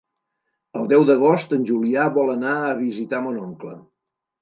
El deu d'agost en Julià vol anar a visitar mon oncle.